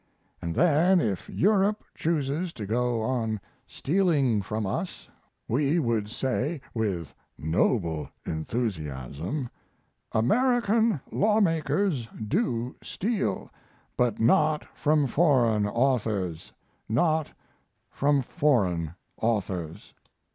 And then if Europe chooses to go on stealing from us we would say, with noble enthusiasm, "American lawmakers do steal, but not from foreign authors not from foreign authors